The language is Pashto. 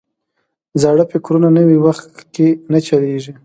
زاړه فکرونه نوي وخت کې نه چلیږي.